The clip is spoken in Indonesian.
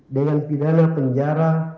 dengan pidana penjara